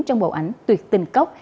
trong bộ ảnh tuyệt tình cốc